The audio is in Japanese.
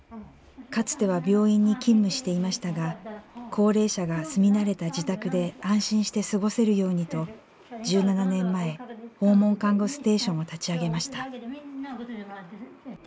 かつては病院に勤務していましたが高齢者が住み慣れた自宅で安心して過ごせるようにと１７年前訪問看護ステーションを立ち上げました。